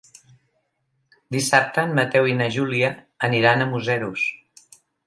Dissabte en Mateu i na Júlia aniran a Museros.